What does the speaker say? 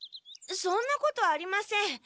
そんなことありません。